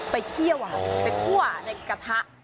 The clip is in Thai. เคี่ยวไปคั่วในกระทะ